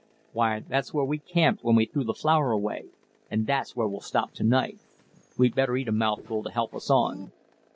Why, that's where we camped when we threw the flour away, and that's where we'll stop to night. We'd better eat a mouthful to help us on."